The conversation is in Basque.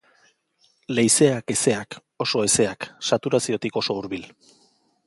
Leizeak hezeak, oso hezeak, saturaziotik oso hurbil.